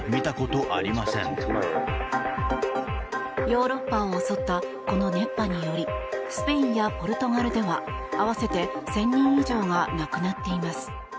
ヨーロッパを襲ったこの熱波によりスペインやポルトガルでは合わせて１０００人以上が亡くなっています。